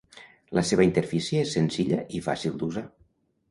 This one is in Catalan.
La seva interfície és senzilla i fàcil d'usar.